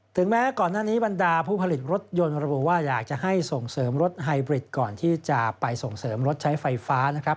ถึงแม้ก่อนหน้านี้บรรดาผู้ผลิตรถยนต์ระบุว่าอยากจะให้ส่งเสริมรถไฮบริดก่อนที่จะไปส่งเสริมรถใช้ไฟฟ้านะครับ